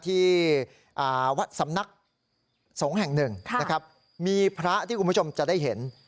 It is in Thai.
ที่วัดสำนักสงฆ์แห่งหนึ่งนะครับมีพระที่คุณผู้ชมจะได้เห็น